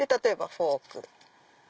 フォーク